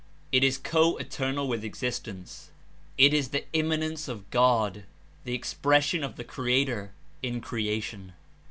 It is co eternal with ex istence; it is the Immanence of God, the expression of the Creator in creation.